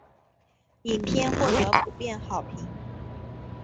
影片获得普遍好评。